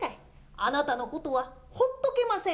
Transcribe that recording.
あなたのことはほっとけません。